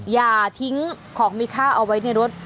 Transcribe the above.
อย่าทิ้งของมีค่าเอาไว้ในรถ